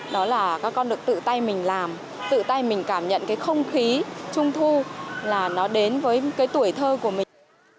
đó là các con được tự tay mình làm tự tay mình cảm nhận cái không khí trung thu là nó đến với cái tuổi thơ của mình